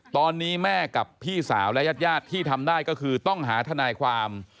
ตอนนี้แม่กับพี่สาวและญาติที่ทำได้ก็คือต้องหาทนายความ